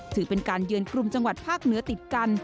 ถือเป็นการเยือนกลุ่มจังหวัดภาคเหนือติดกัน